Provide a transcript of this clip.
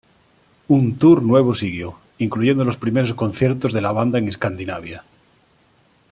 Un tour nuevo siguió, incluyendo los primeros conciertos de la banda en Escandinavia.